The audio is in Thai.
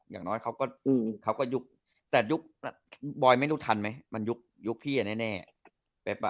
อย่างน้อยเขาก็ยุกแต่ยุกบอยน์ไม่รู้ทันไหมมันยุกพี่อ่ะแน่